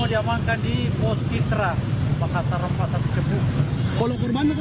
ini maksudnya satu arah